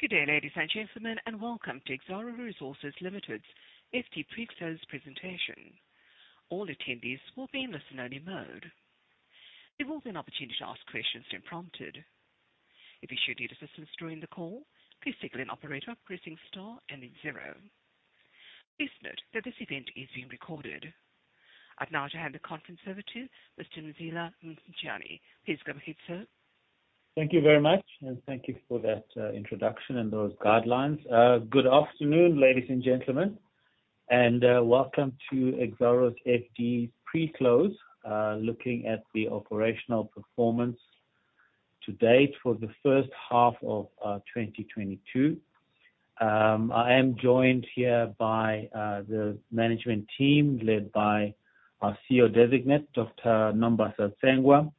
Good day, ladies and gentlemen, and welcome to Exxaro Resources Limited's FD Pre-Close Presentation. All attendees will be in listen-only mode. You will have an opportunity to ask questions when prompted. If you should need assistance during the call, please signal an operator by pressing star and then zero. Please note that this event is being recorded. I'd now like to hand the conference over to Mr. Mzila Mthenjane. Please go ahead, sir. Thank you very much, and thank you for that introduction and those guidelines. Good afternoon, ladies and gentlemen, and welcome to Exxaro's FD Pre-Close, looking at the operational performance to date for the first half of 2022. I am joined here by the management team led by our CEO Designate, Dr. Nombasa Tsengwa,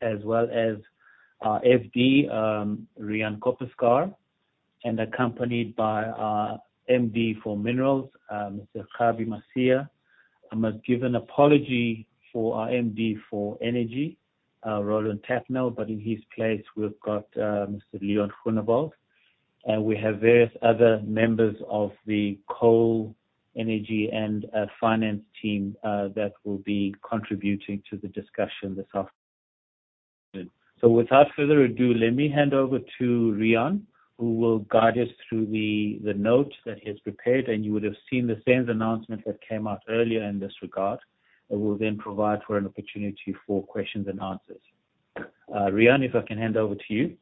as well as our FD, Riaan Koppeschaar, and accompanied by our MD for Minerals, Mr. Kgabi Masia. I must give an apology for our MD for Energy, Roland Tatnall, but in his place we've got Mr. Leon Groenewald, and we have various other members of the coal, energy, and finance team that will be contributing to the discussion this afternoon. Without further ado, let me hand over to Riaan, who will guide us through the notes that he has prepared, and you would have seen the sales announcement that came out earlier in this regard, and will then provide for an opportunity for questions and answers. Riaan, if I can hand over to you.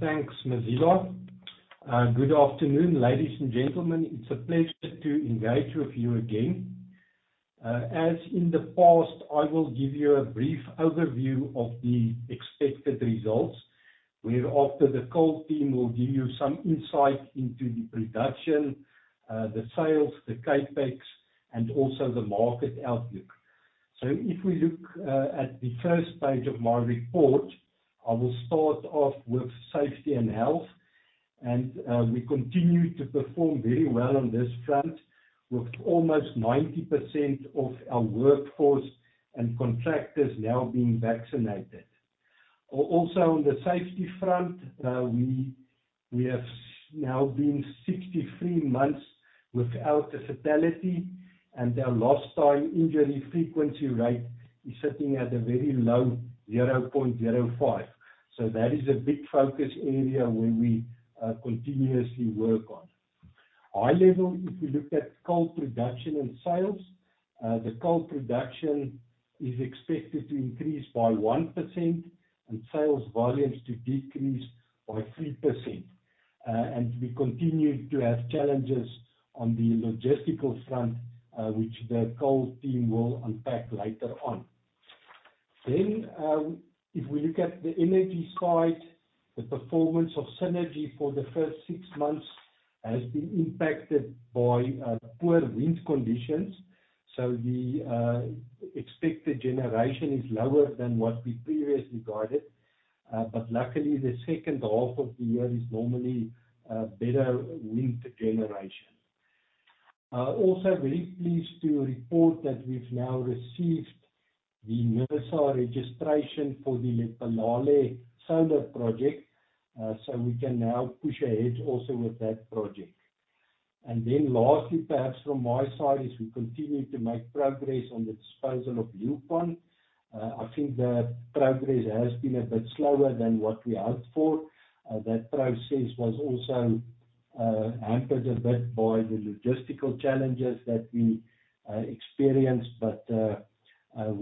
Thanks, Mzila. Good afternoon, ladies and gentlemen. It's a pleasure to invite you here again. As in the past, I will give you a brief overview of the expected results, whereafter the coal team will give you some insight into the production, the sales, the CapEx, and also the market outlook. If we look at the first page of my report, I will start off with safety and health, and we continue to perform very well on this front, with almost 90% of our workforce and contractors now being vaccinated. Also, on the safety front, we have now been 63 months without a fatality, and our lost-time injury frequency rate is sitting at a very low 0.05. That is a big focus area where we continuously work on. High level, if we look at coal production and sales, the coal production is expected to increase by 1%, and sales volumes to decrease by 3%. We continue to have challenges on the logistical front, which the coal team will unpack later on. If we look at the energy side, the performance of Cennergi for the first six months has been impacted by poor wind conditions. The expected generation is lower than what we previously guided, but luckily, the second half of the year is normally better wind generation. Also, very pleased to report that we've now received the National Energy Regulator of South Africa registration for the Lephalale Solar Project, so we can now push ahead also with that project. Lastly, perhaps from my side, as we continue to make progress on the disposal of Leeuwpan, I think the progress has been a bit slower than what we hoped for. That process was also hampered a bit by the logistical challenges that we experienced, but we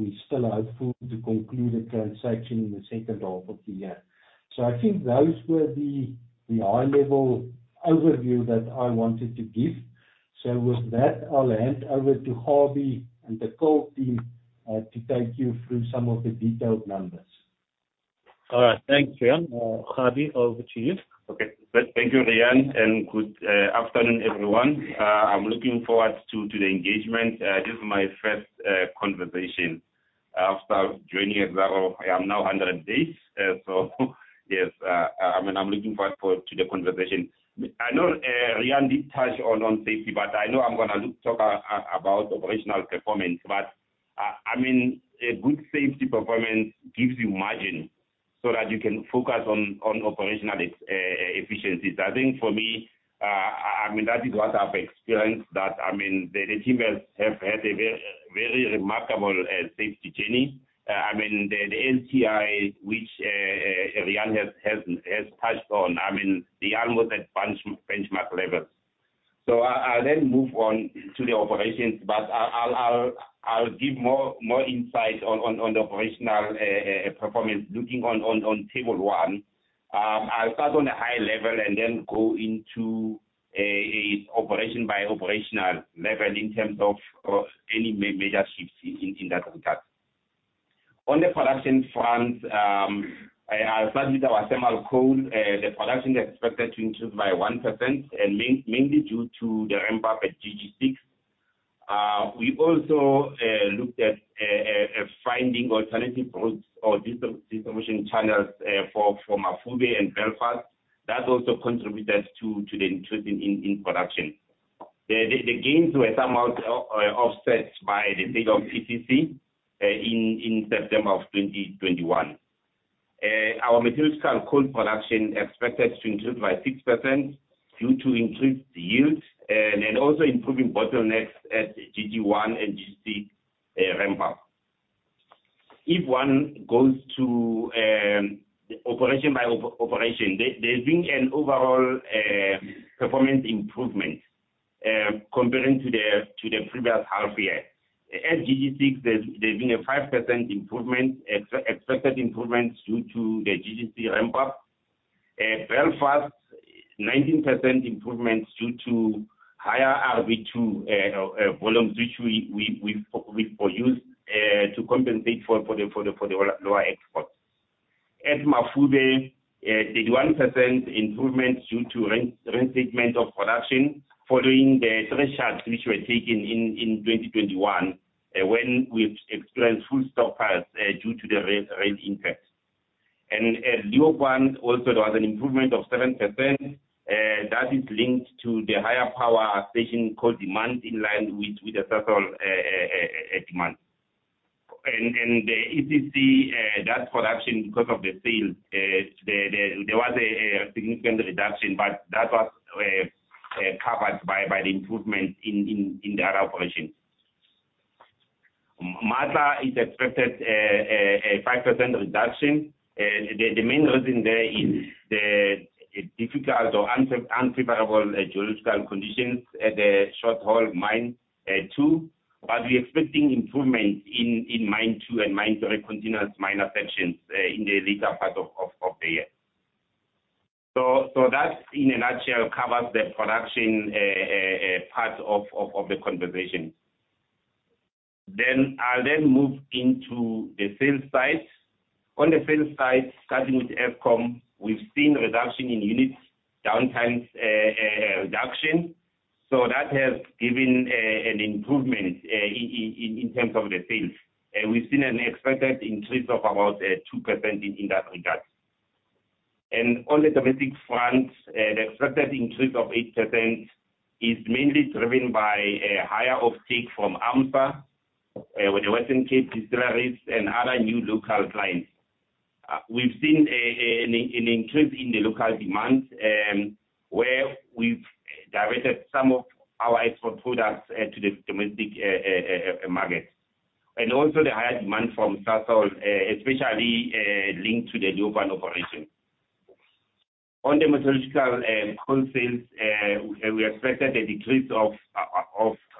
are still hopeful to conclude a transaction in the second half of the year. I think those were the high-level overview that I wanted to give. With that, I'll hand over to Kgabi and the coal team to take you through some of the detailed numbers. All right, thanks, Riaan. Kgabi, over to you. Okay, thank you, Riaan, and good afternoon, everyone. I'm looking forward to the engagement. This is my first conversation after joining Exxaro. I am now 100 days, so yes, I mean, I'm looking forward to the conversation. I know Riaan did touch on safety, but I know I'm going to talk about operational performance. I mean, good safety performance gives you margin so that you can focus on operational efficiencies. I think for me, I mean, that is what I've experienced, that I mean, the team has had a very remarkable safety journey. I mean, the LTI, which Riaan has touched on, I mean, they are almost at benchmark levels. I'll then move on to the operations, but I'll give more insight on the operational performance looking on table one. I'll start on a high level and then go into operation by operational level in terms of any major shifts in that regard. On the production front, I'll start with our thermal coal. The production is expected to increase by 1%, and mainly due to the ramp-up at GG6. We also looked at finding alternative routes or distribution channels for Mafube, and Belfast. That also contributed to the increase in production. The gains were somewhat offset by the sale of ECC in September of 2021. Our metallurgical coal production is expected to increase by 6% due to increased yield and also improving bottlenecks at GG1 and GG6 ramp-up. If one goes to operation by operation, there's been an overall performance improvement comparing to the previous half-year. At GG6, there's been a 5% improvement, expected improvement due to the GG6 ramp-up. At Belfast, 19% improvement due to higher RB2 volumes, which we've produced to compensate for the lower exports. At Mafube, there's a 1% improvement due to restatement of production following the thresholds which were taken in 2021 when we experienced full stockpiles due to the rail impact. At Leeuwpan, also, there was an improvement of 7%. That is linked to the higher power station coal demand in line with the threshold demand. At ECC, that production, because of the sales, there was a significant reduction, but that was covered by the improvement in the other operations. Matla is expected a 5% reduction. The main reason there is the difficult or unfavorable geological conditions at the shortwall Mine 2, but we're expecting improvements in Mine 2 and Mine 3 continuous miner sections in the later part of the year. That in a nutshell covers the production part of the conversation. I'll then move into the sales side. On the sales side, starting with Eskom, we've seen a reduction in units, downtime reduction. That has given an improvement in terms of the sales. We've seen an expected increase of about 2% in that regard. On the domestic front, the expected increase of 8% is mainly driven by higher uptake from AMSA, with the Western Cape distilleries, and other new local clients. We've seen an increase in the local demand, where we've directed some of our export products to the domestic market. Also, the higher demand from Sasol, especially linked to the Leeuwpan operation. On the metallurgical coal sales, we expected a decrease of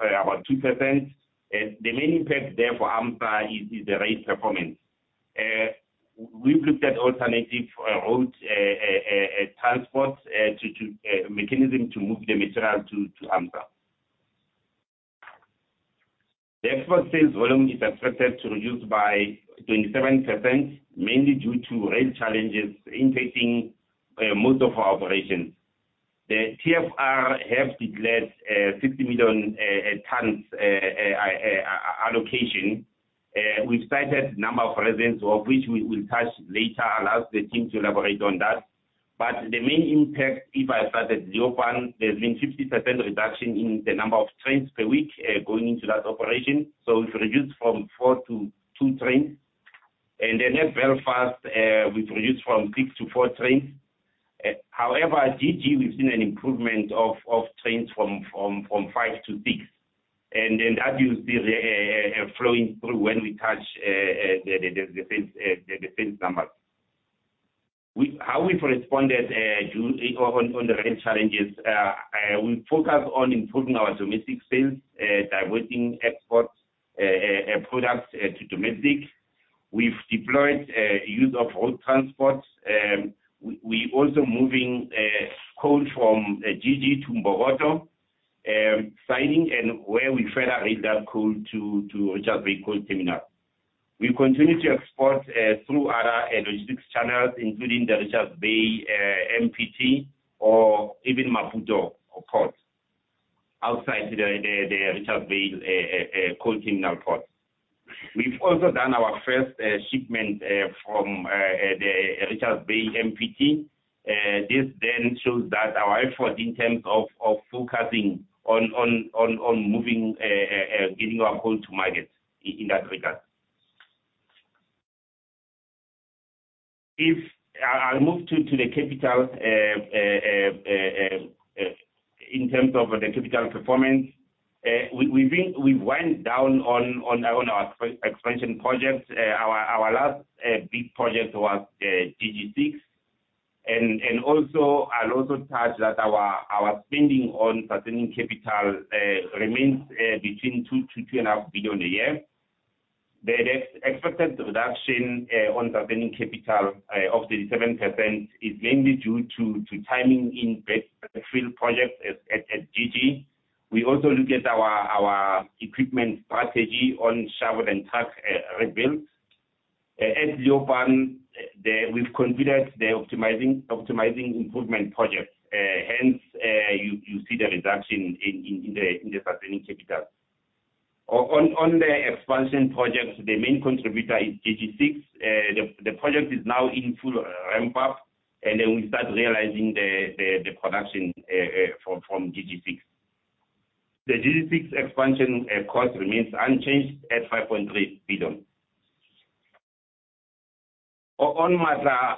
about 2%. The main impact there for AMSA is the rail performance. We've looked at alternative route transport mechanism to move the material to AMSA. The export sales volume is expected to reduce by 27%, mainly due to rail challenges impacting most of our operations. The TFR have declared a 60 million tonnes allocation. We've cited a number of reasons, one of which we will touch later. I'll ask the team to elaborate on that. The main impact, if I start at Leeuwpan, there's been a 50% reduction in the number of trains per week going into that operation. We've reduced from four to two trains. At Belfast, we've reduced from six to four trains. However, at GG, we've seen an improvement of trains from five to six. That you'll see flowing through when we touch the sales numbers. How we've responded on the rail challenges? We focus on improving our domestic sales, diverting export products to domestic. We've deployed use of road transport. We're also moving coal from GG to Mafube, signing where we further render coal to Richards Bay Coal Terminal. We continue to export through other logistics channels, including the Richards Bay MPT or even Maputo port, outside the Richards Bay Coal Terminal port. We've also done our first shipment from the Richards Bay MPT. This then shows that our effort in terms of focusing on moving, getting our coal to market in that regard. I'll move to the capital in terms of the capital performance. We've went down on our expansion projects. Our last big project was GG6. Also, I'll also touch that our spending on sustaining capital remains between 2 billion-2.5 billion a year. The expected reduction on sustaining capital of 37% is mainly due to timing in capital projects at GG. We also look at our equipment strategy on shovel and truck rebuilds. At Leeuwpan, we've considered the optimizing improvement projects. Hence, you see the reduction in the sustaining capital. On the expansion projects, the main contributor is GG6. The project is now in full ramp-up, and then we start realizing the production from GG6. The GG6 expansion cost remains unchanged at 5.3 billion. On Matla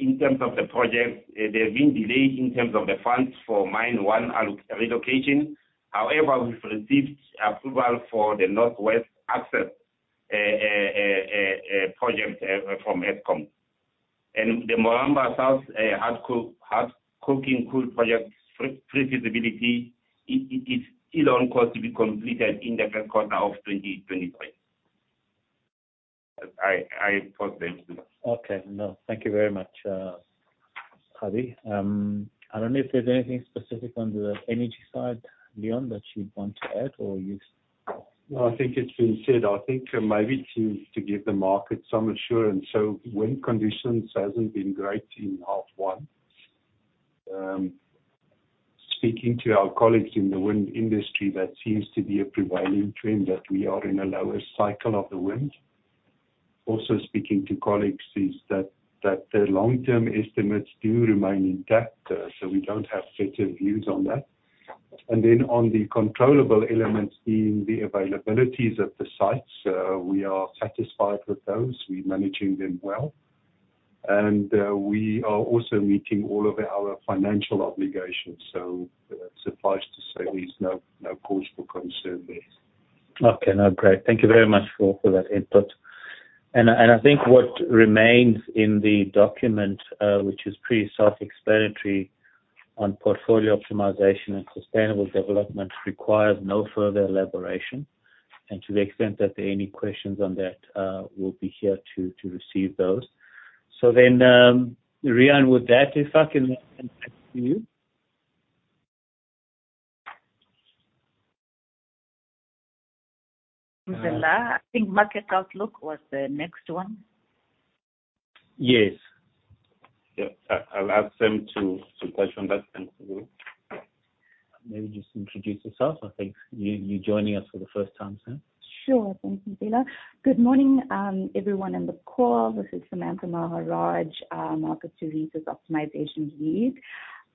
in terms of the projects, there's been delay in terms of the funds for Mine 1 relocation. However, we've received approval for the North West Access Project from Eskom. And the Moranbah South hard coking coal project feasibility is still on course to be completed in the first quarter of 2023. I paused there for a second. Okay, no, thank you very much, Kgabi. I don't know if there's anything specific on the energy side, Leon, that you'd want to add or you've. No, I think it's been said. I think maybe to give the market some assurance, wind conditions haven't been great in H1. Speaking to our colleagues in the wind industry, that seems to be a prevailing trend that we are in a lower cycle of the wind. Also speaking to colleagues is that the long-term estimates do remain intact, so we don't have better views on that. On the controllable elements being the availabilities of the sites, we are satisfied with those. We're managing them well. We are also meeting all of our financial obligations. Suffice to say, there's no cause for concern there. Okay, no, great. Thank you very much for that input. I think what remains in the document, which is pretty self-explanatory on portfolio optimization and sustainable development, requires no further elaboration. To the extent that there are any questions on that, we'll be here to receive those. Riaan, with that, if I can hand back to you. Mzila, I think Market Outlook was the next one. Yes. I'll ask them to touch on that and to go. Maybe just introduce yourself. I think you're joining us for the first time, Sam. Sure, thanks, Mzila. Good morning, everyone in the call. This is Samantha Maharajh, Market Services Optimization Lead.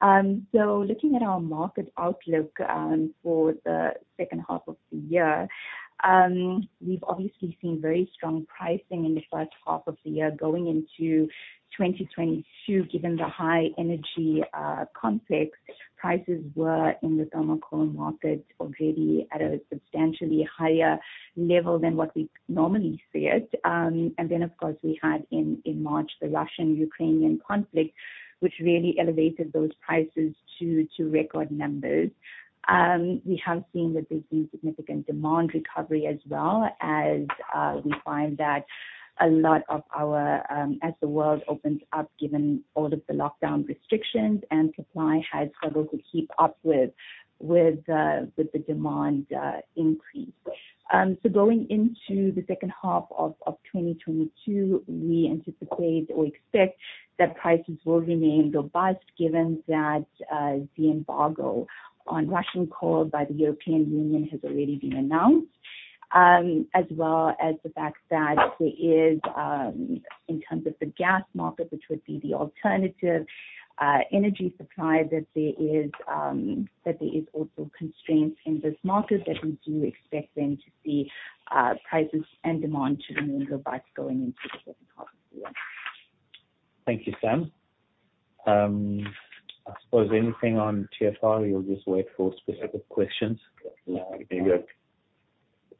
Looking at our market outlook for the second half of the year, we've obviously seen very strong pricing in the first half of the year going into 2022. Given the high energy conflicts, prices were in the thermal coal market already at a substantially higher level than what we normally see it. Of course, we had in March the Russian-Ukrainian conflict, which really elevated those prices to record numbers. We have seen that there's been significant demand recovery as well as we find that a lot of our—as the world opens up, given all of the lockdown restrictions, and supply has struggled to keep up with the demand increase. Going into the second half of 2022, we anticipate or expect that prices will remain robust given that the embargo on Russian coal by the European Union has already been announced, as well as the fact that there is, in terms of the gas market, which would be the alternative energy supply, that there is also constraints in this market that we do expect then to see prices and demand to remain robust going into the second half of the year. Thank you, Sam. I suppose anything on TFR, you'll just wait for specific questions. Do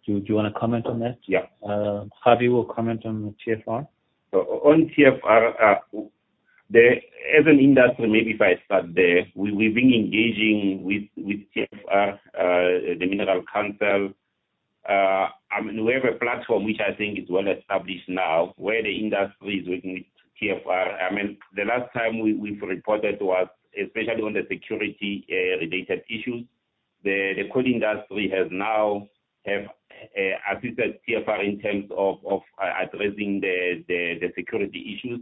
you want to comment on that? Yeah. Kgabi, will comment on TFR? On TFR, as an industry, maybe if I start there, we've been engaging with TFR, the Minerals Council. I mean, we have a platform which I think is well established now where the industry is working with TFR. I mean, the last time we've reported was especially on the security-related issues. The coal industry has now assisted TFR in terms of addressing the security issues.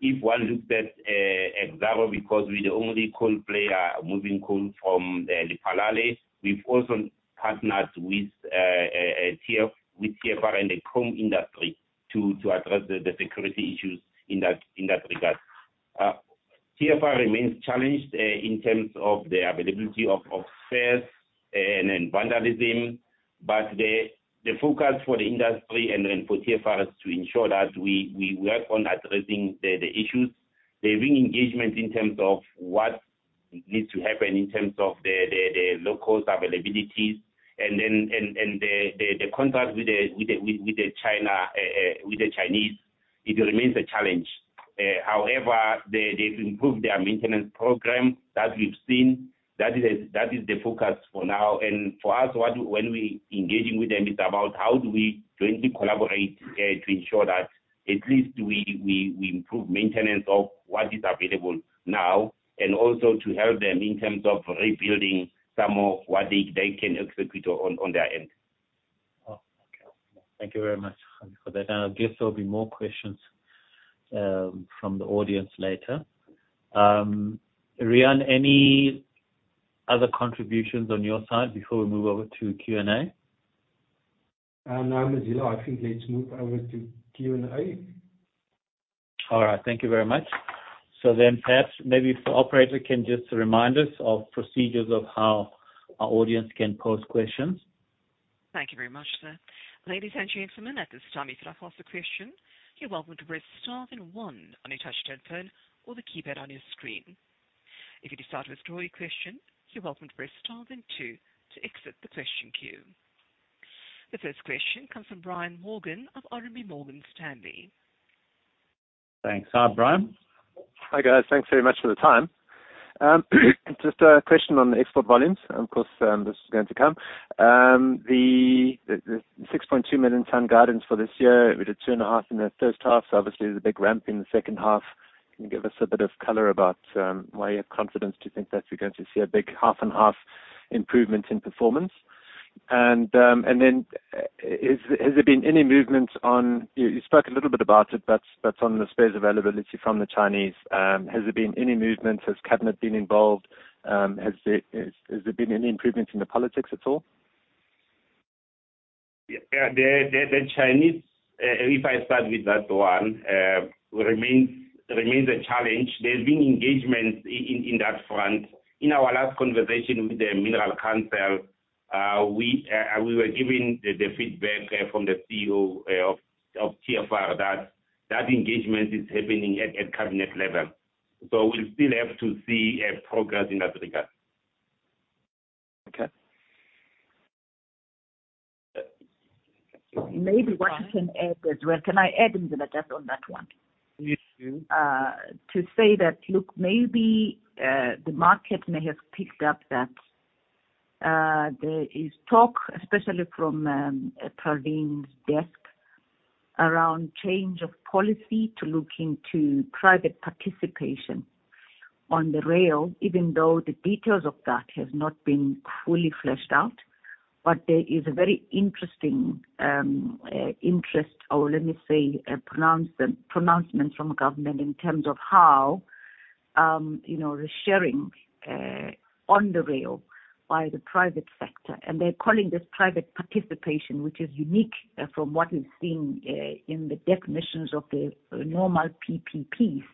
If one looks at Exxaro, because we're the only coal player moving coal from Lephalale, we've also partnered with TFR and the coal industry to address the security issues in that regard. TFR remains challenged in terms of the availability of spares and vandalism, but the focus for the industry and then for TFR is to ensure that we work on addressing the issues. They've been engaged in terms of what needs to happen in terms of the low-cost availabilities. The contract with the Chinese, it remains a challenge. However, they've improved their maintenance program that we've seen. That is the focus for now. For us, when we're engaging with them, it's about how do we jointly collaborate to ensure that at least we improve maintenance of what is available now, and also to help them in terms of rebuilding some of what they can execute on their end. Oh, okay. Thank you very much, Kgabi, for that. I guess there'll be more questions from the audience later. Riaan, any other contributions on your side before we move over to Q&A? No, Mzila, I think let's move over to Q&A. All right, thank you very much. Perhaps maybe if the operator can just remind us of procedures of how our audience can pose questions. Thank you very much, Sir. Ladies and gentlemen, at this time, if you'd like to ask a question, you're welcome to press star then one on your touch headphone or the keypad on your screen. If you decide to withdraw your question, you're welcome to press star then two to exit the question queue. The first question comes from Brian Morgan of RMB Morgan Stanley. Thanks. Hi, Brian. Hi guys, thanks very much for the time. Just a question on the export volumes. Of course, this is going to come. The 6.2 million ton guidance for this year, we did two and a half in the first half. Obviously, there's a big ramp in the second half. Can you give us a bit of color about why you have confidence to think that we're going to see a big half and half improvement in performance? Has there been any movement on—you spoke a little bit about it, but on the spares availability from the Chinese, has there been any movement? Has Cabinet been involved? Has there been any improvements in the politics at all? Yeah, the Chinese, if I start with that one, remains a challenge. There's been engagement in that front. In our last conversation with the Minerals Council, we were given the feedback from the CEO of TFR that that engagement is happening at Cabinet level. We will still have to see progress in that regard. Okay. Maybe Nombasa Tsengwa as well. Can I add in that just on that one? Yes, please. To say that, look, maybe the market may have picked up that there is talk, especially from Pravin's desk, around change of policy to look into private participation on the rail, even though the details of that have not been fully fleshed out. There is a very interesting interest, or let me say pronouncement from government in terms of how the sharing on the rail by the private sector. They are calling this private participation, which is unique from what we've seen in the definitions of the normal PPPs.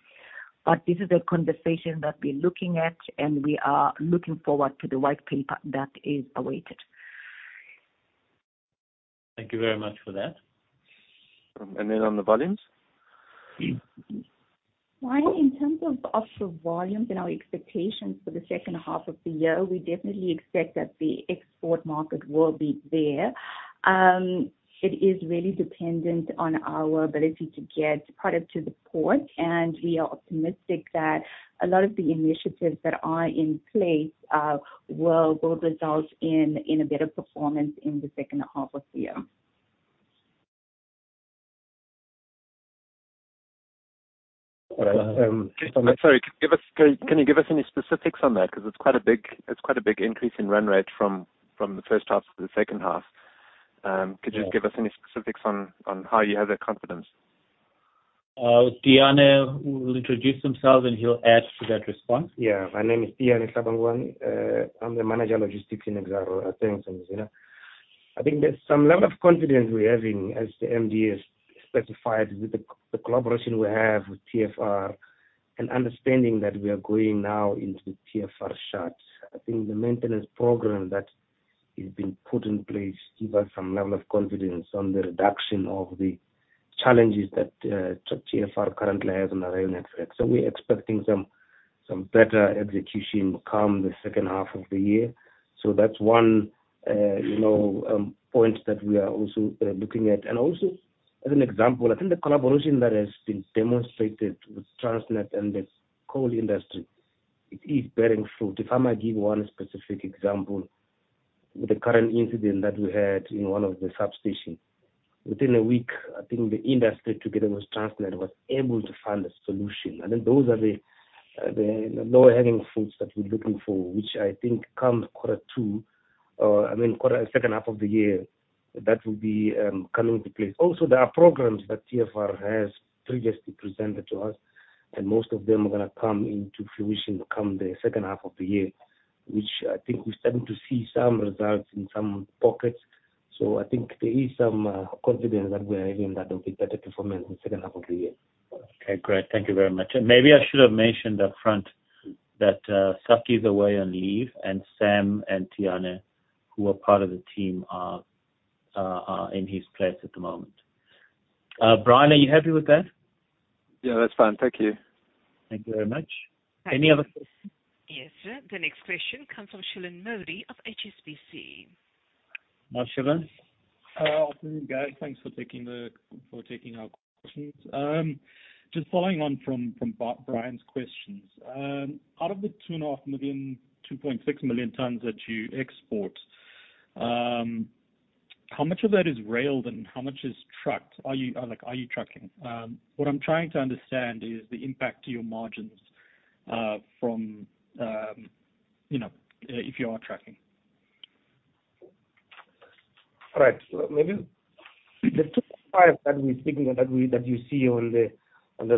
This is a conversation that we're looking at, and we are looking forward to the white paper that is awaited. Thank you very much for that. On the volumes? In terms of volumes and our expectations for the second half of the year, we definitely expect that the export market will be there. It is really dependent on our ability to get product to the port, and we are optimistic that a lot of the initiatives that are in place will result in a better performance in the second half of the year. Sorry, can you give us any specifics on that? Because it's quite a big increase in run rate from the first half to the second half. Could you just give us any specifics on how you have that confidence? Dhanie will introduce himself, and he'll add to that response. Yeah, my name is Dhanie Subbramoney. I'm the manager of logistics in Exxaro. Thanks, Mzila. I think there's some level of confidence we're having, as the MD has specified, with the collaboration we have with TFR and understanding that we are going now into the TFR shutdown. I think the maintenance program that has been put in place gives us some level of confidence on the reduction of the challenges that TFR currently has on the rail network. We are expecting some better execution come the second half of the year. That is one point that we are also looking at. Also, as an example, I think the collaboration that has been demonstrated with Transnet and the coal industry, it is bearing fruit. If I may give one specific example, with the current incident that we had in one of the substations, within a week, I think the industry together with Transnet was able to find a solution. I think those are the low-hanging fruits that we're looking for, which I think come quarter two or, I mean, quarter second half of the year, that will be coming into place. Also, there are programs that TFR has previously presented to us, and most of them are going to come into fruition come the second half of the year, which I think we're starting to see some results in some pockets. I think there is some confidence that we're having that there'll be better performance in the second half of the year. Okay, great. Thank you very much. Maybe I should have mentioned upfront that Sakkie is away on leave, and Sam and Thiana, who are part of the team, are in his place at the moment. Brian, are you happy with that? Yeah, that's fine. Thank you. Thank you very much. Any other? Yes, sir. The next question comes from Shilan Modi of HSBC. Hi, Shilan. Hi, all three guys. Thanks for taking our questions. Just following on from Brian's questions, out of the 2.5 million, 2.6 million tons that you export, how much of that is railed and how much is trucked? Are you trucking? What I'm trying to understand is the impact to your margins from if you are trucking. All right. Maybe the 2.5 that we're speaking of, that you see on the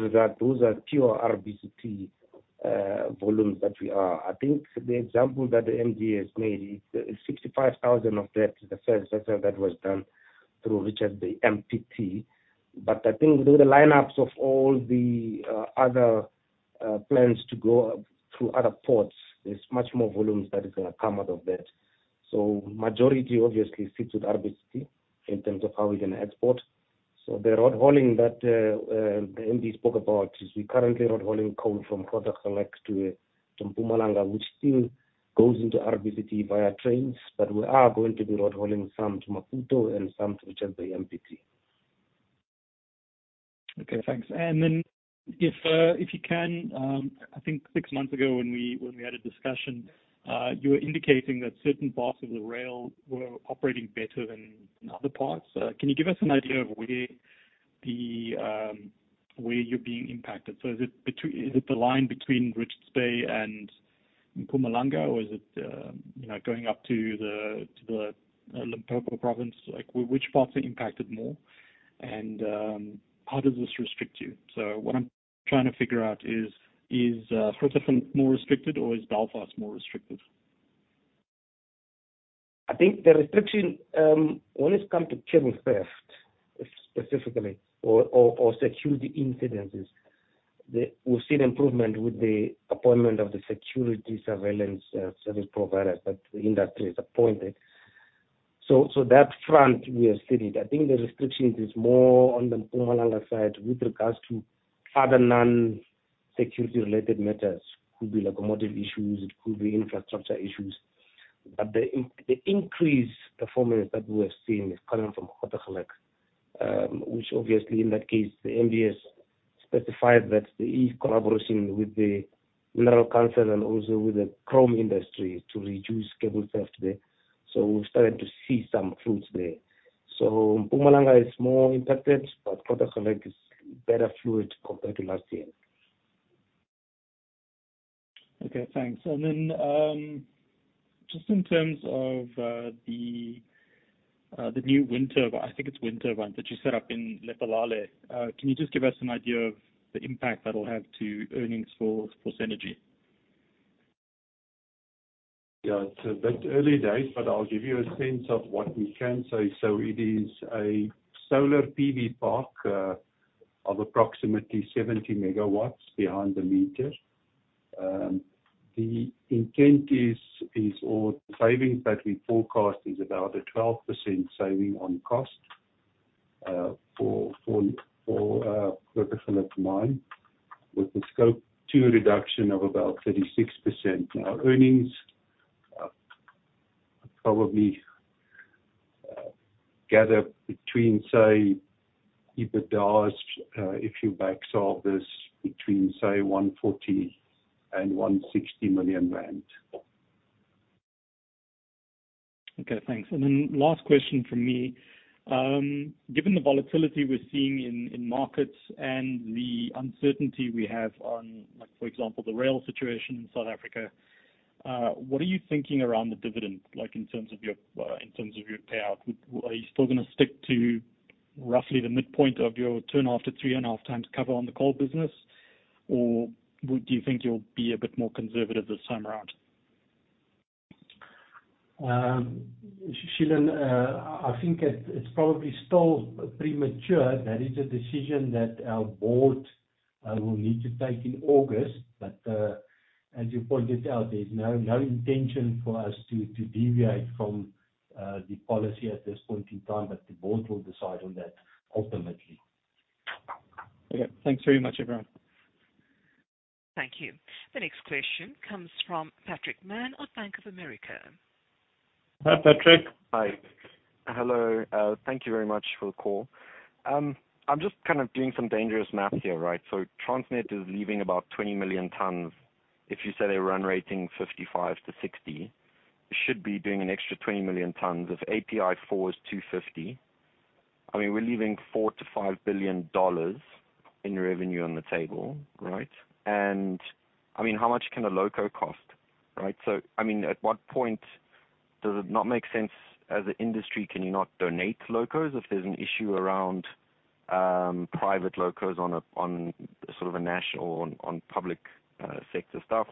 result, those are pure RBCT volumes that we are. I think the example that the MD has made is 65,000 of that is the first reference that was done through, which is the MPT. I think with the lineups of all the other plans to go through other ports, there's much more volumes that are going to come out of that. The majority obviously sit with RBCT in terms of how we're going to export. The road hauling that the MD spoke about is we're currently road hauling coal from Grootegeluk to Mpumalanga, which still goes into RBCT via trains, but we are going to be road hauling some to Maputo and some to whichever MPT. Okay, thanks. If you can, I think six months ago when we had a discussion, you were indicating that certain parts of the rail were operating better than other parts. Can you give us an idea of where you're being impacted? Is it the line between Richards Bay and Mpumalanga, or is it going up to the Limpopo province? Which parts are impacted more? How does this restrict you? What I'm trying to figure out is, is Grootegeluk more restricted or is Belfast more restricted? I think the restriction, when it comes to cable theft specifically, or security incidences, we've seen improvement with the appointment of the security surveillance service providers that the industry has appointed. On that front, we have seen it. I think the restriction is more on the Mpumalanga side with regards to other non-security-related matters. It could be locomotive issues. It could be infrastructure issues. The increased performance that we have seen is coming from Grootegeluk, which obviously, in that case, the MD has specified that there is collaboration with the Minerals Council and also with the chrome industry to reduce cable theft there. We've started to see some fruits there. Mpumalanga is more impacted, but Grootegeluk is better fluid compared to last year. Okay, thanks. Just in terms of the new wind, I think it's wind, right, that you set up in Lephalale, can you just give us an idea of the impact that will have to earnings for Cennergi? Yeah, it's the early days, but I'll give you a sense of what we can say. It is a solar PV park of approximately 70 MG behind the meter. The intent is, or the savings that we forecast is about a 12% saving on cost for Grootegeluk mine, with the Scope 2 reduction of about 36%. Now, earnings probably gather between, say, if you back solve this, between, say, 140 million and 160 million rand. Okay, thanks. Last question from me. Given the volatility we're seeing in markets and the uncertainty we have on, for example, the rail situation in South Africa, what are you thinking around the dividend in terms of your payout? Are you still going to stick to roughly the midpoint of your two and a half to three and a half times cover on the coal business, or do you think you'll be a bit more conservative this time around? Shilan, I think it's probably still premature that it's a decision that our board will need to take in August. As you pointed out, there's no intention for us to deviate from the policy at this point in time, but the board will decide on that ultimately. Okay, thanks very much, everyone. Thank you. The next question comes from Patrick Mann of Bank of America. Hi, Patrick. Hi. Hello. Thank you very much for the call. I'm just kind of doing some dangerous math here, right? Transnet is leaving about 20 million tons. If you say their run rate is 55-60, it should be doing an extra 20 million tons if API 4 is $250. I mean, we're leaving $4 billion-$5 billion in revenue on the table, right? I mean, how much can a loco cost, right? At what point does it not make sense as an industry? Can you not donate locos if there's an issue around private locos on sort of a national or on public sector stuff?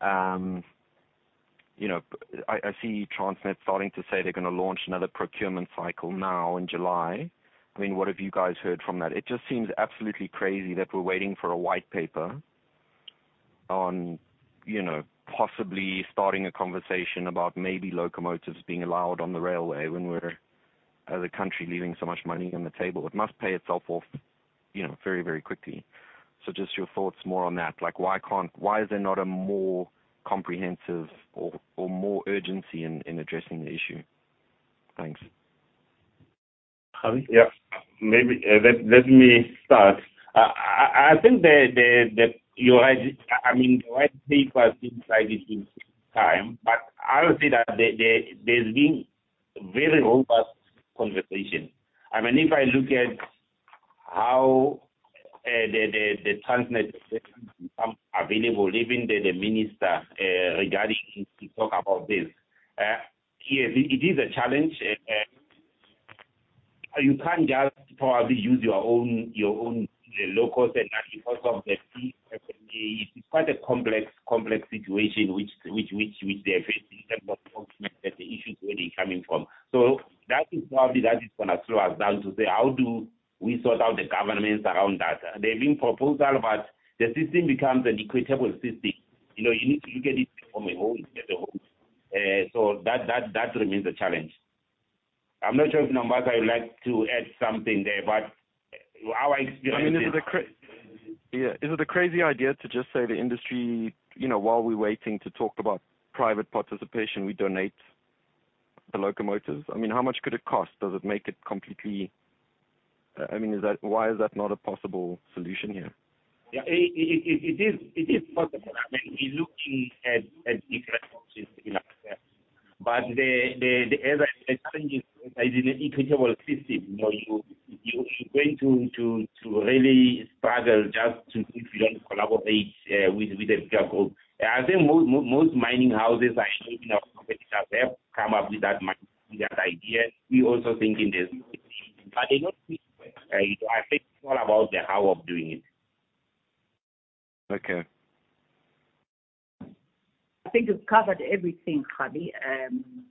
I see Transnet starting to say they're going to launch another procurement cycle now in July. What have you guys heard from that? It just seems absolutely crazy that we're waiting for a white paper on possibly starting a conversation about maybe locomotives being allowed on the railway when we're, as a country, leaving so much money on the table. It must pay itself off very, very quickly. Just your thoughts more on that. Why is there not a more comprehensive or more urgency in addressing the issue? Thanks. Yeah, maybe let me start. I think that your idea, I mean, the white paper seems like it will take time, but I would say that there's been very robust conversation. I mean, if I look at how the Transnet available, even the minister, regarding to talk about this, yes, it is a challenge. You can't just probably use your own locos and that because of the fees. It's quite a complex situation which they're facing. That is the issue where they're coming from. That is probably going to slow us down to say, how do we sort out the governments around that? There have been proposals, but the system becomes an equitable system. You need to look at it from a whole together. That remains a challenge. I'm not sure if Nombasa would like to add something there, but our experience is. I mean, is it a crazy idea to just say the industry, while we're waiting to talk about private participation, we donate the locomotives? I mean, how much could it cost? Does it make it completely? I mean, why is that not a possible solution here? Yeah, it is possible. I mean, we're looking at different options. The challenge is, as in an equitable system, you're going to really struggle just if you don't collaborate with a bigger group. I think most mining houses are enough to have come up with that idea. We're also thinking. They don't speak to it. I think it's all about the how of doing it. Okay. I think we've covered everything, Kgabi.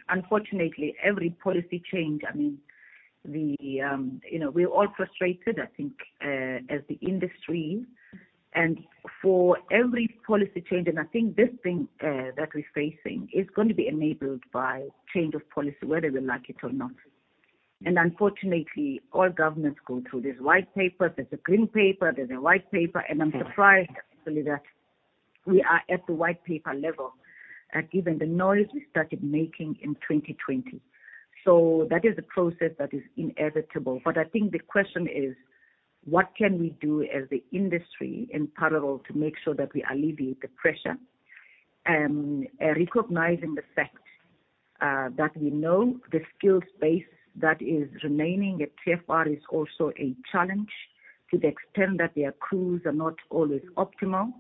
Unfortunately, every policy change, I mean, we're all frustrated, I think, as the industry. For every policy change, and I think this thing that we're facing is going to be enabled by change of policy, whether we like it or not. Unfortunately, all governments go through this white paper. There's a green paper. There's a white paper. I'm surprised actually that we are at the white paper level given the noise we started making in 2020. That is a process that is inevitable. I think the question is, what can we do as the industry in parallel to make sure that we alleviate the pressure? Recognizing the fact that we know the skills base that is remaining at TFR is also a challenge to the extent that their crews are not always optimal.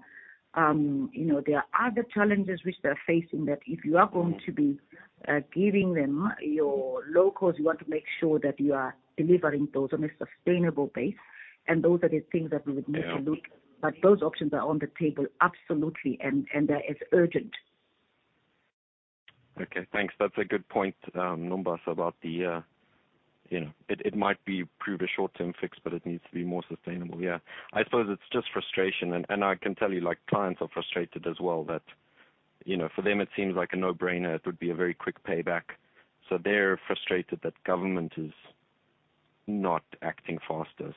There are other challenges which they're facing that if you are going to be giving them your locos, you want to make sure that you are delivering those on a sustainable base. Those are the things that we would need to look. Those options are on the table, absolutely. That is urgent. Okay, thanks. That's a good point, Nombasa, about the it might be prove a short-term fix, but it needs to be more sustainable. Yeah. I suppose it's just frustration. I can tell you clients are frustrated as well that for them, it seems like a no-brainer. It would be a very quick payback. They're frustrated that government is not acting faster.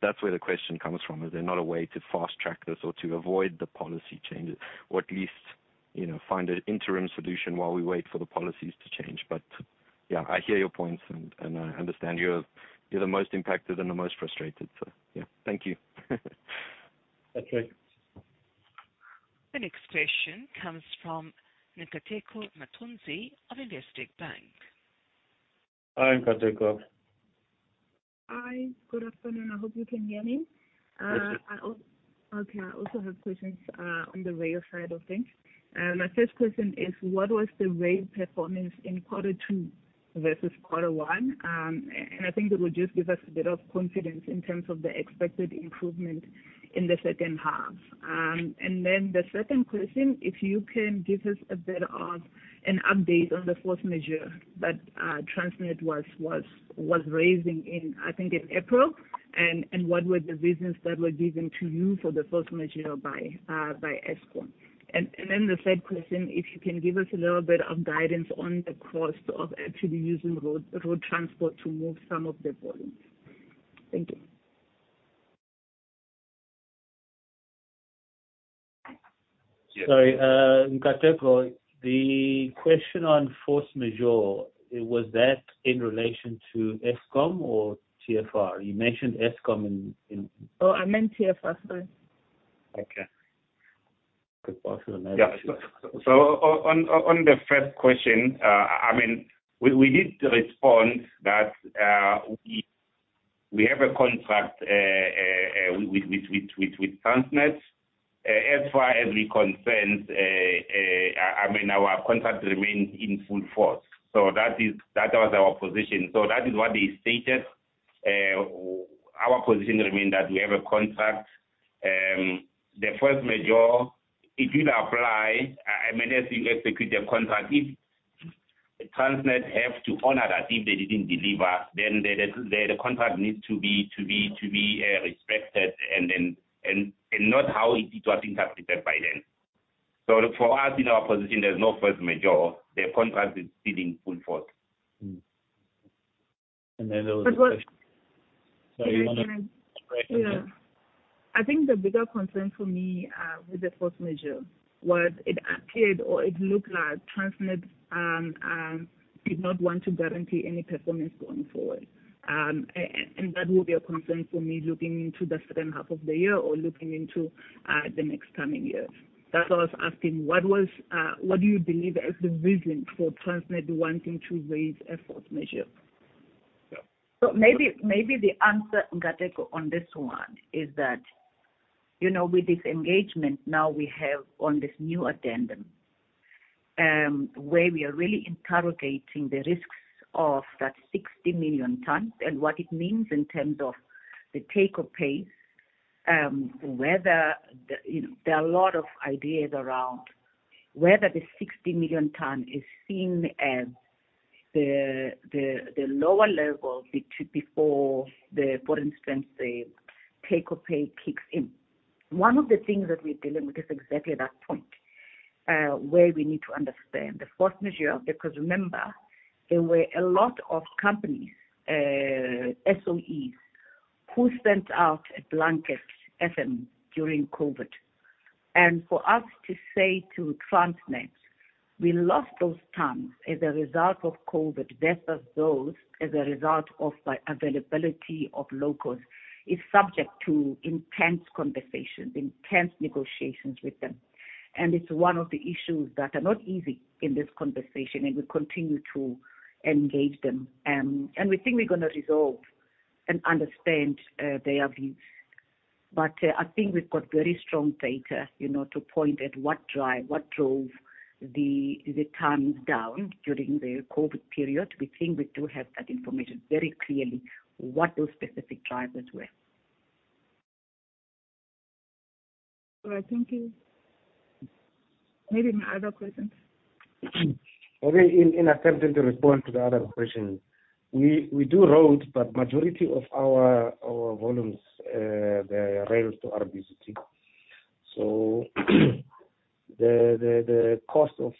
That's where the question comes from, is there not a way to fast-track this or to avoid the policy changes or at least find an interim solution while we wait for the policies to change? Yeah, I hear your points and I understand you're the most impacted and the most frustrated. Thank you. Patrick. The next question comes from Nkateko Mathonsi of Investec Bank. Hi, Nkateko. Hi. Good afternoon. I hope you can hear me. Yes, ma'am. Okay. I also have questions on the rail side of things. My first question is, what was the rail performance in quarter two versus quarter one? I think it will just give us a bit of confidence in terms of the expected improvement in the second half. The second question, if you can give us a bit of an update on the force majeure that Transnet was raising in, I think, in April, and what were the reasons that were given to you for the force majeure by Eskom? The third question, if you can give us a little bit of guidance on the cost of actually using road transport to move some of the volumes. Thank you. Sorry, Nkateko, the question on force majeure, was that in relation to Eskom or TFR? You mentioned Eskom in. Oh, I meant TFR, sorry. Okay. On the first question, I mean, we did respond that we have a contract with Transnet. As far as we're concerned, I mean, our contract remains in full force. That was our position. That is what they stated. Our position remained that we have a contract. The force majeure, it will apply unless you execute the contract. If Transnet have to honor that, if they didn't deliver, then the contract needs to be respected and not how it was interpreted by them. For us, in our position, there's no force majeure. The contract is still in full force. There was. I think the bigger concern for me with the force majeure was it appeared or it looked like Transnet did not want to guarantee any performance going forward. That will be a concern for me looking into the second half of the year or looking into the next coming years. That's why I was asking, what do you believe is the reason for Transnet wanting to raise a force majeure? Maybe the answer, Nkateko, on this one is that with this engagement now we have on this new addendum where we are really interrogating the risks of that 60 million tons and what it means in terms of the take-or-pay, whether there are a lot of ideas around whether the 60 million ton is seen as the lower level before, for instance, the take-or-pay kicks in. One of the things that we're dealing with is exactly that point where we need to understand the force majeure because remember, there were a lot of companies, SOEs, who sent out a blanket FM during COVID. For us to say to Transnet, "We lost those tons as a result of COVID versus those as a result of the availability of locos," is subject to intense conversations, intense negotiations with them. It is one of the issues that are not easy in this conversation, and we continue to engage them. We think we are going to resolve and understand their views. I think we have very strong data to point at what drove the tons down during the COVID period. We think we do have that information very clearly, what those specific drivers were. All right. Thank you. Maybe my other question. Maybe in attempting to respond to the other question, we do road, but majority of our volumes, the rail to RBCT. The cost of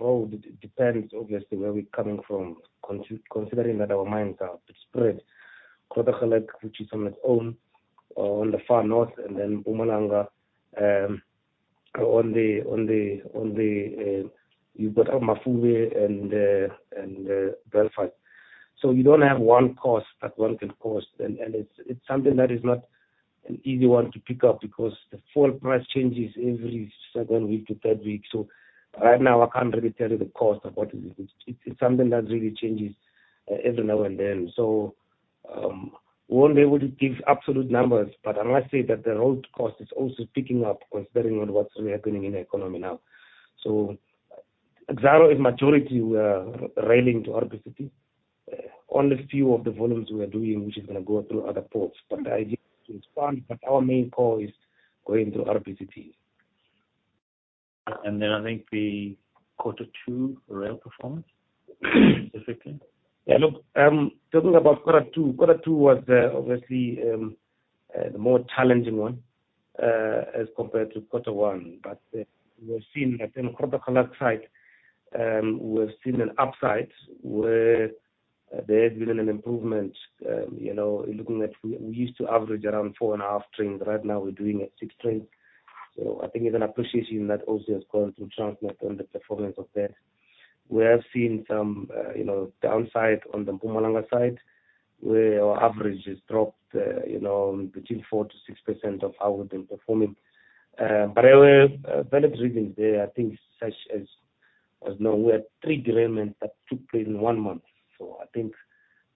road depends, obviously, where we're coming from, considering that our mines are spread Grootegeluk, which is on its own, on the far north, and then Mpumalanga, on the Mafube, and Belfast. You don't have one cost that one can cost. It's something that is not an easy one to pick up because the fuel price changes every second week to third week. Right now, I can't really tell you the cost of what it is. It's something that really changes every now and then. We won't be able to give absolute numbers, but I must say that the road cost is also picking up, considering what's really happening in the economy now. Exxaro is majority railing to RBCT on a few of the volumes we are doing, which is going to go through other ports. The idea is to expand, but our main core is going through RBCT. I think the quarter two rail performance, specifically. Yeah. Look, talking about quarter two, quarter two was obviously the more challenging one as compared to quarter one. We have seen that on the Grootegeluk side, we have seen an upside where there has been an improvement. Looking at, we used to average around four and a half trains. Right now, we are doing at six trains. I think there is an appreciation that also has gone through Transnet on the performance of that. We have seen some downside on the Mpumalanga side where our average has dropped between 4%-6% of how we have been performing. There were valid reasons there, I think, such as we had three derailments that took place in one month. I think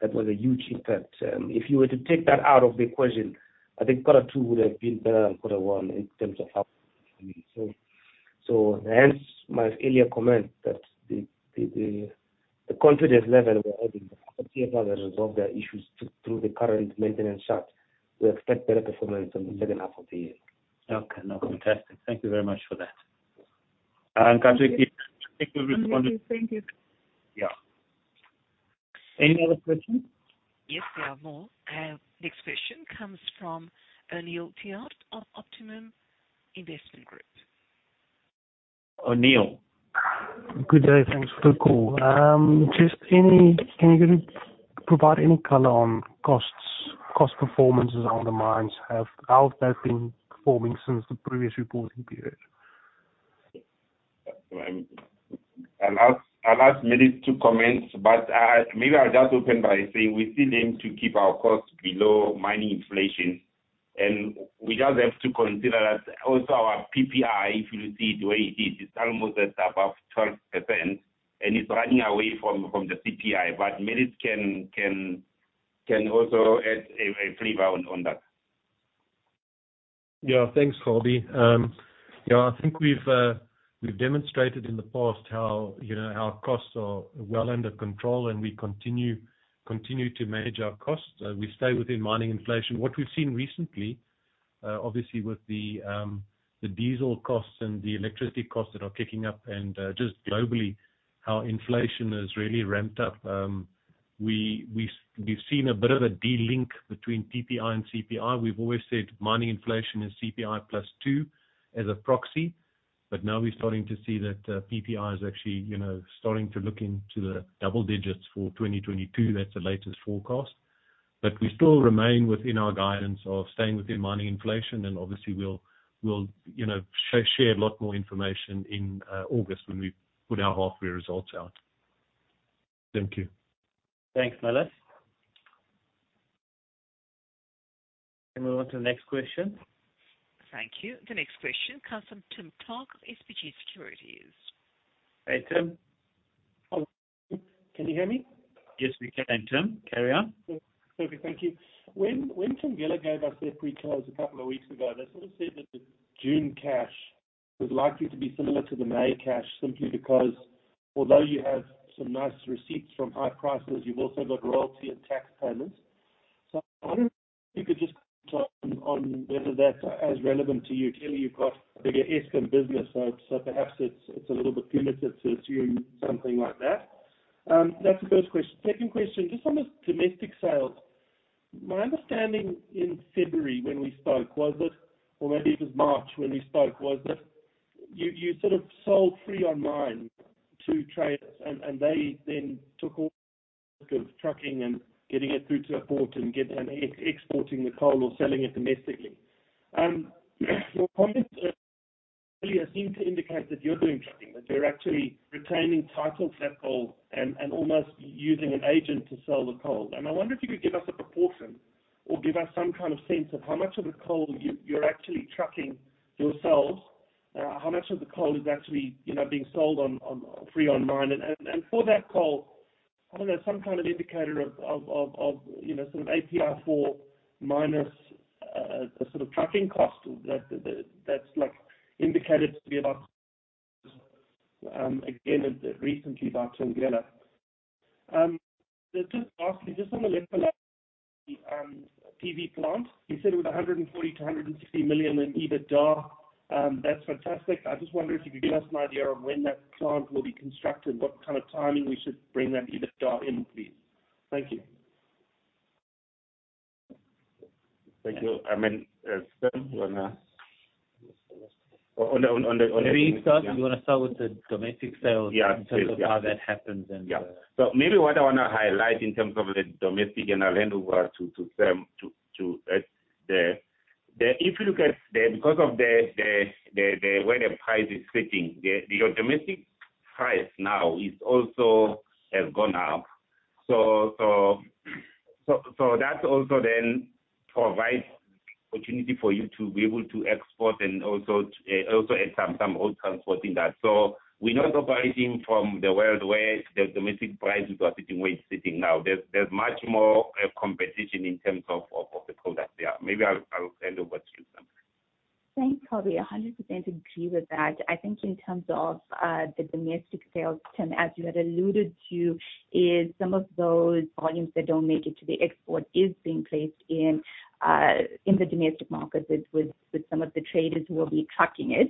that was a huge impact. If you were to take that out of the equation, I think quarter two would have been better than quarter one in terms of how. I mean, hence my earlier comment that the confidence level we're having, the faculty have now resolved their issues through the current maintenance shot. We expect better performance in the second half of the year. Okay. No, fantastic. Thank you very much for that. Nkateko, I think we've responded. Thank you. Yeah. Any other questions? Yes, there are more. Next question comes from Irné Otto of Optimum Investment Group. Irné. Good day, thanks. Good call. Can you provide any color on costs, cost performances on the mines? How have they been performing since the previous reporting period? I'll ask Marius to comment, but maybe I'll just open by saying we still aim to keep our costs below mining inflation. We just have to consider that also our PPI, if you see it where it is, it's almost at above 12%, and it's running away from the CPI. Marius can also add a flavor on that. Yeah, thanks, Kgabi. Yeah, I think we've demonstrated in the past how costs are well under control, and we continue to manage our costs. We stay within mining inflation. What we've seen recently, obviously, with the diesel costs and the electricity costs that are kicking up, and just globally, how inflation has really ramped up, we've seen a bit of a delink between PPI and CPI. We've always said mining inflation is CPI plus two as a proxy, but now we're starting to see that PPI is actually starting to look into the double digits for 2022. That's the latest forecast. We still remain within our guidance of staying within mining inflation, and obviously, we'll share a lot more information in August when we put our half-year results out. Thank you. Thanks, Marius. Can we move on to the next question? Thank you. The next question comes from Tim Clark, SBG Securities. Hey, Tim. Can you hear me? Yes, we can, Tim. Carry on. Okay, thank you. When Thungela gave us their pre-close a couple of weeks ago, they sort of said that the June cash was likely to be similar to the May cash simply because although you have some nice receipts from high prices, you've also got royalty and tax payments. I don't know if you could just comment on whether that's as relevant to you too. You've got a bigger Eskom business, so perhaps it's a little bit punitive to assume something like that. That's the first question. Second question, just on the domestic sales. My understanding in February when we spoke was that, or maybe it was March when we spoke, was that you sort of sold free on mine to traders, and they then took all the risk of trucking and getting it through to a port and exporting the coal or selling it domestically. Your comments earlier seem to indicate that you're doing trucking, that you're actually retaining title for that coal and almost using an agent to sell the coal. I wonder if you could give us a proportion or give us some kind of sense of how much of the coal you're actually trucking yourselves, how much of the coal is actually being sold free on mine. For that coal, I don't know, some kind of indicator of sort of API 4 minus the sort of trucking cost that's indicated to be about, again, recently by Tim Clark. Just lastly, just on the Lephalale PV plant. You said it was 140-160 million in EBITDA. That's fantastic. I just wonder if you could give us an idea of when that plant will be constructed, what kind of timing we should bring that EBITDA in, please. Thank you. Thank you. I mean, as Tim, you want to. On the EBITDA, you want to start with the domestic sales in terms of how that happens and. Yeah. Maybe what I want to highlight in terms of the domestic, and I'll hand over to Sam to add there. If you look at there, because of where the price is sitting, your domestic price now has also gone up. That also then provides opportunity for you to be able to export and also add some old transport in that. We're not operating from the world where the domestic prices are sitting where it's sitting now. There's much more competition in terms of the products there. Maybe I'll hand over to you, Sam. Thanks, Kgabi. I 100% agree with that. I think in terms of the domestic sales, Tim, as you had alluded to, some of those volumes that do not make it to the export are being placed in the domestic market with some of the traders who will be trucking it.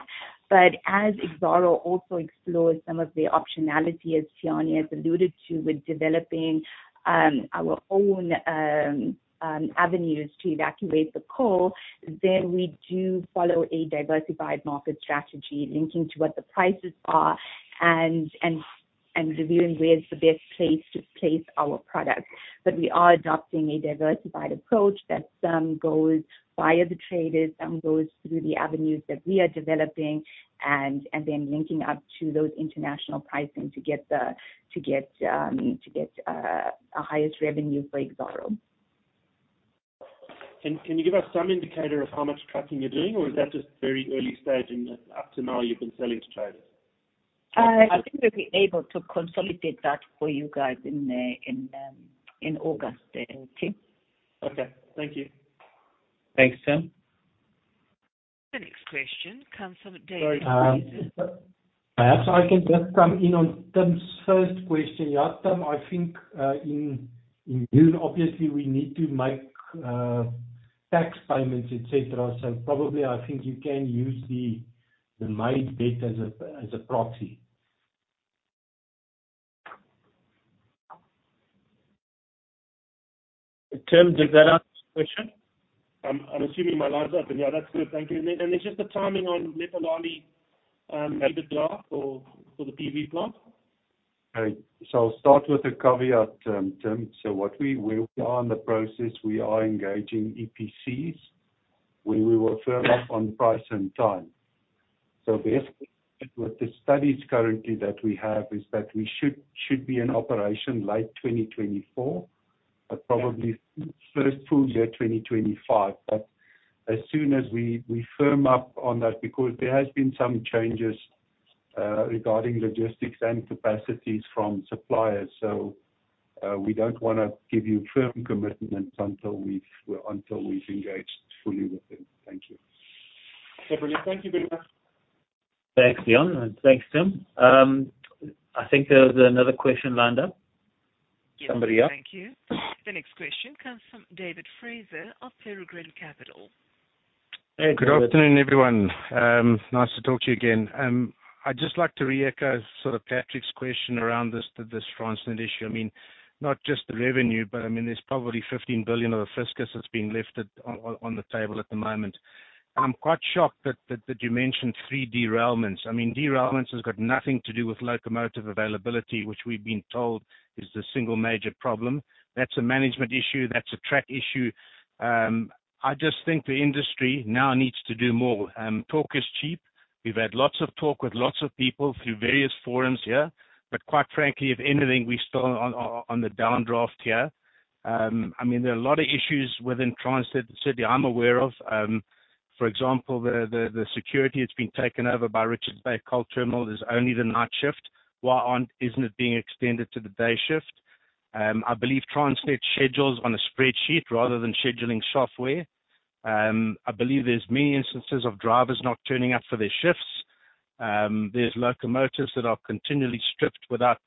As Exxaro also explores some of the optionality, as Dhanie has alluded to, with developing our own avenues to evacuate the coal, we do follow a diversified market strategy linking to what the prices are and reviewing where is the best place to place our product. We are adopting a diversified approach that some goes via the traders, some goes through the avenues that we are developing, and then linking up to those international pricing to get a highest revenue for Exxaro. Can you give us some indicator of how much trucking you're doing, or is that just very early stage? Up to now, you've been selling to traders? I think we'll be able to consolidate that for you guys in August, Tim. Okay. Thank you. Thanks, Sam. The next question comes from David. Perhaps I can just come in on Tim's first question. Yeah, Tim, I think in June, obviously, we need to make tax payments, etc. So probably, I think you can use the May bid as a proxy. Tim, does that answer the question? I'm assuming my line's up. Yeah, that's good. Thank you. It's just the timing on Mafube EBITDA for the PV plant? I'll start with a caveat, Tim. Where we are in the process, we are engaging EPCs where we will firm up on the price and time. Basically, with the studies currently that we have, we should be in operation late 2024, but probably first full year 2025. As soon as we firm up on that, because there have been some changes regarding logistics and capacities from suppliers, we don't want to give you firm commitments until we've engaged fully with them. Thank you. Absolutely. Thank you very much. Thanks, Leon. Thanks, Tim. I think there was another question lined up. Somebody else? Thank you. The next question comes from David Fraser of Peregrine Capital. Hey, good afternoon, everyone. Nice to talk to you again. I'd just like to re-echo sort of Patrick's question around this Transnet issue. I mean, not just the revenue, but I mean, there's probably 15 billion of the fiscus that's being lifted on the table at the moment. I'm quite shocked that you mentioned three derailments. I mean, derailments have got nothing to do with locomotive availability, which we've been told is the single major problem. That's a management issue. That's a track issue. I just think the industry now needs to do more. Talk is cheap. We've had lots of talk with lots of people through various forums here. Quite frankly, if anything, we're still on the downdraft here. I mean, there are a lot of issues within Transnet that I'm aware of. For example, the security that's been taken over by Richards Bay Coal Terminal is only the night shift. Why isn't it being extended to the day shift? I believe Transnet schedules on a spreadsheet rather than scheduling software. I believe there's many instances of drivers not turning up for their shifts. There's locomotives that are continually stripped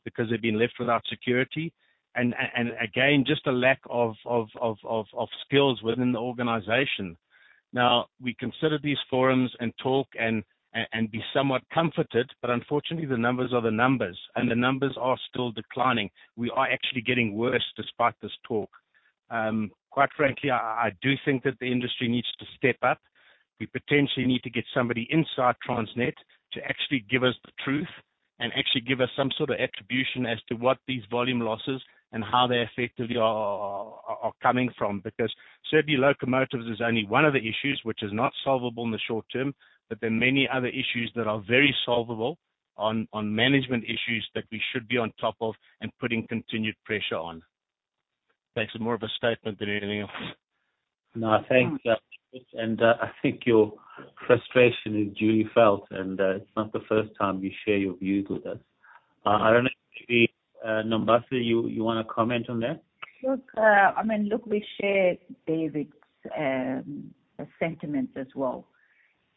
because they've been left without security. Again, just a lack of skills within the organization. Now, we consider these forums and talk and be somewhat comforted, but unfortunately, the numbers are the numbers, and the numbers are still declining. We are actually getting worse despite this talk. Quite frankly, I do think that the industry needs to step up. We potentially need to get somebody inside Transnet to actually give us the truth and actually give us some sort of attribution as to what these volume losses and how they effectively are coming from. Because certainly, locomotives is only one of the issues, which is not solvable in the short term, but there are many other issues that are very solvable on management issues that we should be on top of and putting continued pressure on. Thanks. More of a statement than anything else. No, thanks, David. I think your frustration is duly felt, and it's not the first time you share your views with us. I don't know if maybe Nombasa, you want to comment on that? Look, I mean, look, we shared, David, the sentiments as well.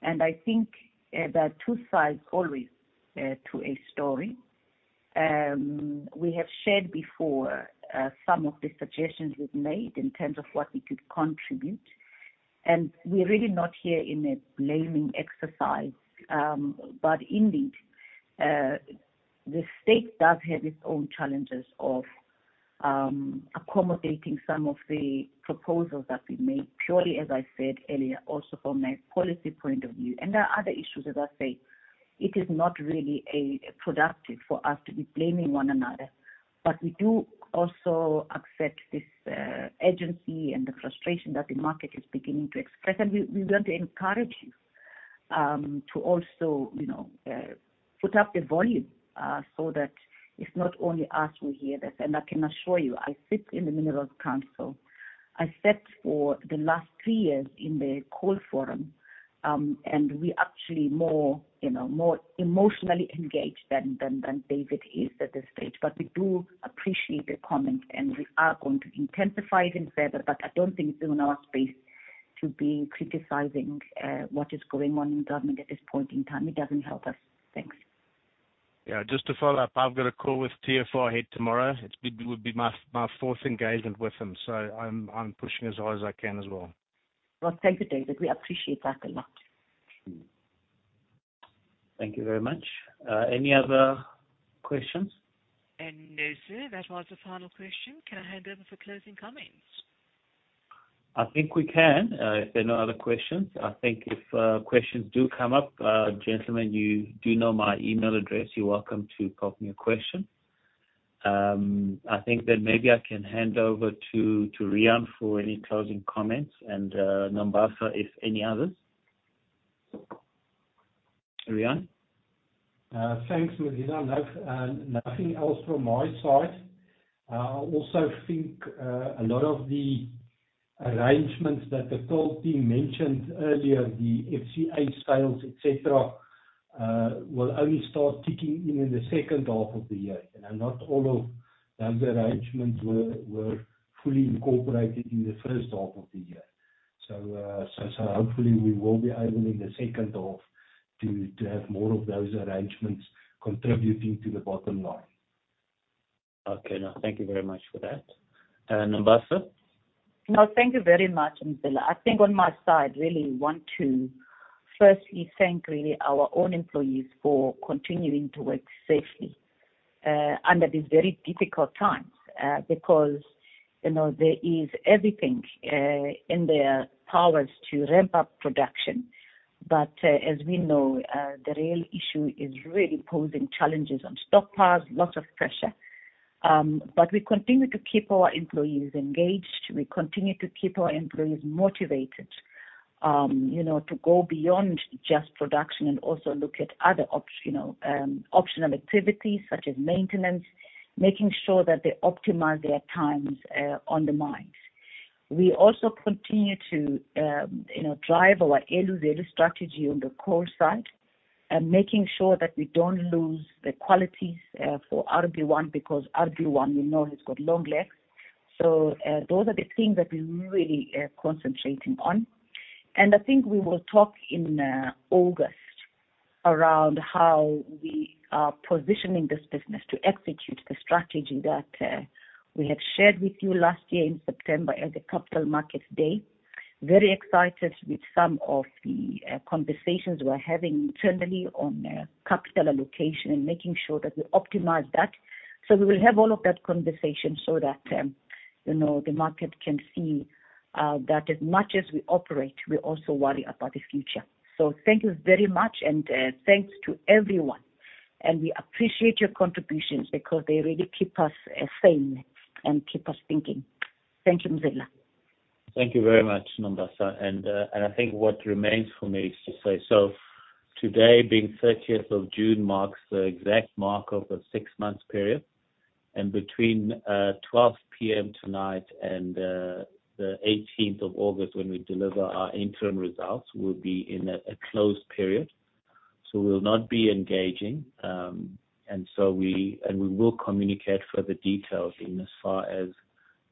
I think there are two sides always to a story. We have shared before some of the suggestions we've made in terms of what we could contribute. We're really not here in a blaming exercise. Indeed, the state does have its own challenges of accommodating some of the proposals that we made, purely, as I said earlier, also from a policy point of view. There are other issues, as I say. It is not really productive for us to be blaming one another. We do also accept this urgency and the frustration that the market is beginning to express. We want to encourage you to also put up the volume so that it's not only us who hear this. I can assure you, I sit in the Minerals Council. I sat for the last three years in the coal forum, and we are actually more emotionally engaged than David is at this stage. We do appreciate the comment, and we are going to intensify it even further. I don't think it's in our space to be criticizing what is going on in government at this point in time. It doesn't help us. Thanks. Yeah, just to follow up, I've got a call with TFR head tomorrow. It will be my fourth engagement with him, so I'm pushing as hard as I can as well. Thank you, David. We appreciate that a lot. Thank you very much. Any other questions? No, sir, that was the final question. Can I hand over for closing comments? I think we can, if there are no other questions. I think if questions do come up, gentlemen, you do know my email address. You're welcome to pop me a question. I think then maybe I can hand over to Riaan for any closing comments. Nombasa, if any others? Riaan? Thanks, Mzila. Nothing else from my side. I also think a lot of the arrangements that the coal team mentioned earlier, the FCA sales, etc., will only start ticking in in the second half of the year. Not all of those arrangements were fully incorporated in the first half of the year. Hopefully, we will be able in the second half to have more of those arrangements contributing to the bottom line. Okay. No, thank you very much for that. Nombasa? No, thank you very much, Mzila. I think on my side, really, I want to firstly thank really our own employees for continuing to work safely under these very difficult times because there is everything in their powers to ramp up production. As we know, the real issue is really posing challenges on stockpiles, lots of pressure. We continue to keep our employees engaged. We continue to keep our employees motivated to go beyond just production and also look at other optional activities such as maintenance, making sure that they optimize their times on the mines. We also continue to drive our early value strategy on the coal side and making sure that we don't lose the qualities for RB1 because RB1, we know, has got long legs. Those are the things that we're really concentrating on. I think we will talk in August around how we are positioning this business to execute the strategy that we had shared with you last year in September at the Capital Markets Day. I am very excited with some of the conversations we are having internally on capital allocation and making sure that we optimize that. We will have all of that conversation so that the market can see that as much as we operate, we also worry about the future. Thank you very much, and thanks to everyone. We appreciate your contributions because they really keep us sane and keep us thinking. Thank you, Mzila. Thank you very much, Nombasa. I think what remains for me is to say, today, being the 30th of June, marks the exact mark of a six-month period. Between 12:00 P.M. tonight and the 18th of August, when we deliver our interim results, we will be in a closed period. We will not be engaging. We will communicate further details as far as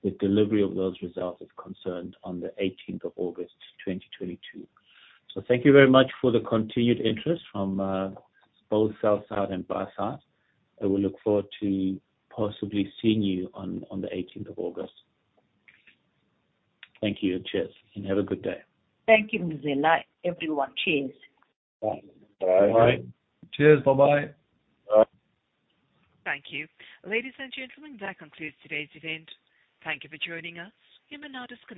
the delivery of those results is concerned on the 18th of August, 2022. Thank you very much for the continued interest from both sell-side and buy-side. We look forward to possibly seeing you on the 18th of August. Thank you. Cheers. Have a good day. Thank you, Mzila. Everyone, cheers. Bye. Bye. Cheers. Bye-bye. Bye. Thank you. Ladies and gentlemen, that concludes today's event. Thank you for joining us. You may now disconnect.